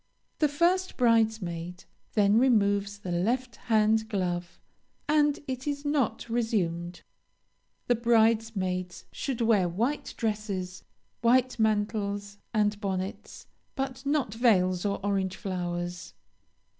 The first bridesmaid then removes the left hand glove, and it is not resumed. The bridesmaids should wear white dresses, white mantles, and bonnets, but not veils or orange flowers.